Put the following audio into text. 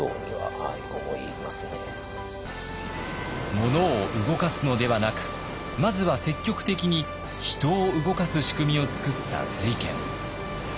物を動かすのではなくまずは積極的に人を動かす仕組みを作った瑞賢。